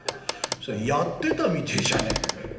それやってたみてえじゃねえか」。